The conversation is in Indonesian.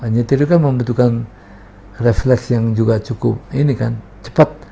nyetir itu kan membutuhkan refleks yang juga cukup ini kan cepat